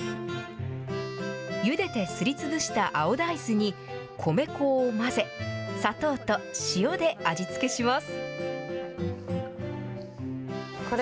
ゆでてすりつぶした青大豆に、米粉を混ぜ、砂糖と塩で味付けします。